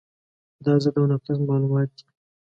دا ضد او نقیض معلومات دي.